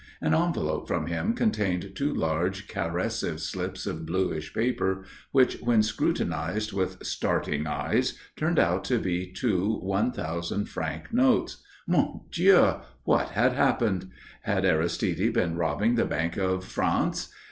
An envelope from him contained two large caressive slips of bluish paper, which when scrutinized with starting eyes turned out to be two one thousand franc notes. Mon Dieu! What had happened? Had Aristide been robbing the Bank of France?